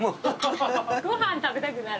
ご飯食べたくなる？